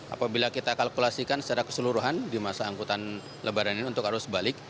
apabila kita kalkulasikan secara keseluruhan di masa angkutan lebaran ini untuk arus balik